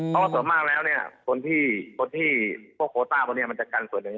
เพราะว่าส่วนมากแล้วเนี่ยคนที่พวกโคต้าพวกนี้มันจะกันส่วนหนึ่ง